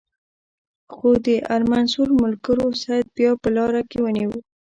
خو د المنصور ملګرو سید بیا په لاره کې ونیو.